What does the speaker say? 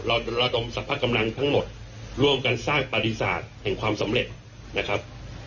ระดมสรรพกำลังทั้งหมดร่วมกันสร้างปฏิศาสตร์แห่งความสำเร็จนะครับ